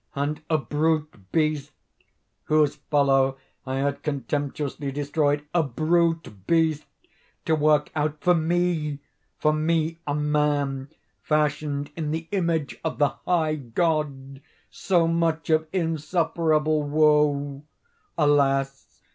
And _a brute beast _—whose fellow I had contemptuously destroyed—a brute beast to work out for me—for me a man, fashioned in the image of the High God—so much of insufferable woe! Alas!